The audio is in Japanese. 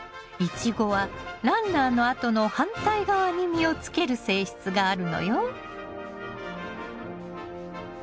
イチゴはランナーの跡の反対側に実をつける性質があるのよ。